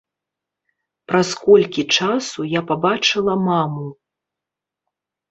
Праз колькі часу я пабачыла маму.